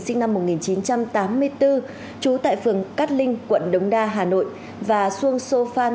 sinh năm một nghìn chín trăm tám mươi bốn trú tại phường cát linh quận đống đa hà nội và xuông sô phan